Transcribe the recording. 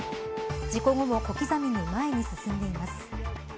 事故後も小刻みに前に進んでいます。